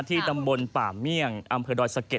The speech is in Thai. ตำบลป่าเมี่ยงอำเภอดอยสะเก็ด